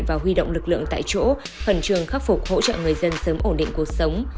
và huy động lực lượng tại chỗ khẩn trường khắc phục hỗ trợ người dân sớm ổn định cuộc sống